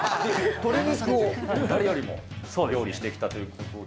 鶏肉を誰よりも料理してきたということで。